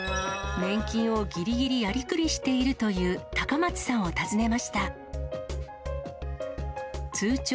年金をぎりぎりやりくりしているという高松さんを訪ねました。